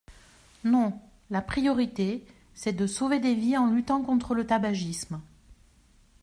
Non, la priorité, c’est de sauver des vies en luttant contre le tabagisme.